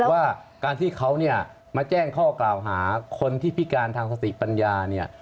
ว่าการที่เขาเนี่ยมาแจ้งข้อกล่าวหาคนที่พิการทางสติปัญญาเนี่ย